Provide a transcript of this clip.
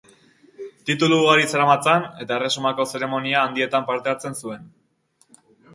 Titulu ugari zeramatzan, eta erresumako zeremonia handietan parte hartzen zuen.